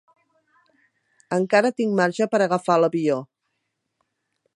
Encara tinc marge per agafar l'avió.